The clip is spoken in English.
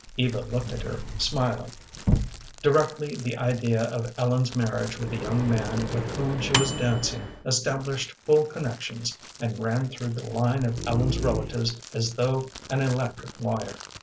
Eva looked at her, smiling. Directly the idea of Ellen's marriage with the young man with whom she was dancing established full connections and ran through the line of Ellen's relatives as though an electric wire.